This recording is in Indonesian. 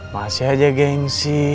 masih aja gengsi